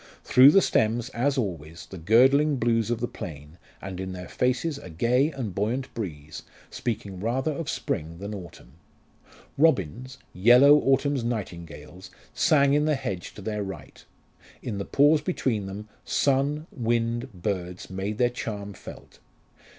Through the stems, as always, the girdling blues of the plain, and in their faces a gay and buoyant breeze, speaking rather of spring than autumn. Robins, "yellow autumn's nightingales," sang in the hedge to their right. In the pause between them, sun, wind, birds made their charm felt.